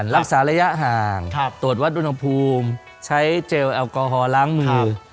รักษาระยะห่างตรวจวัดอุณหภูมิใช้เจลแอลกอฮอลล้างมือ